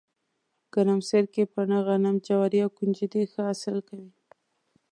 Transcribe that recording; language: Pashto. ګرمسیر کې پنه، غنم، جواري او ُکنجدي ښه حاصل کوي